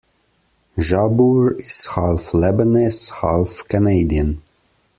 Jabour is half Lebanese, half Canadian.